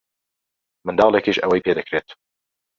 منداڵێکیش ئەوەی پێ دەکرێت.